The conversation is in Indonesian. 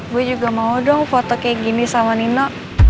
gue juga mau dong foto kayak gini sama nina